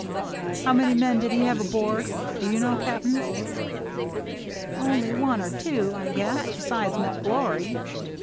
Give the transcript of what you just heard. " How many men did he have aboard ? Do you know, Cap'n ?" "Only one or two, I guess, besides Mc Glory."